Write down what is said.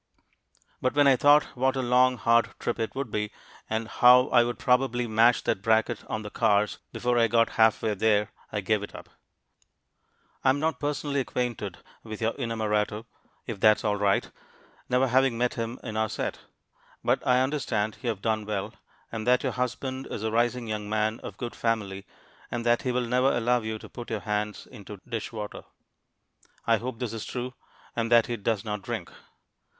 But when I thought what a long, hard trip it would be, and how I would probably mash that bracket on the cars before I got half way there, I gave it up. I am not personally acquainted with your inamorato, if that's all right, never having met him in our set; but I understand you have done well, and that your husband is a rising young man of good family, and that he will never allow you to put your hands into dishwater. I hope this is true and that he does not drink.